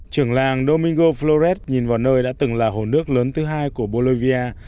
trưởng làng domingo flored nhìn vào nơi đã từng là hồ nước lớn thứ hai của bolivia